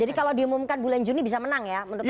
jadi kalau diumumkan bulan juni bisa menang ya menurut anda